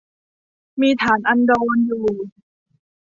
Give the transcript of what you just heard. มีฐานอันดรอยู่